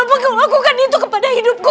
apa kau lakukan itu kepada hidupku